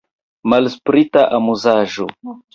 Malsprita amuzaĵo!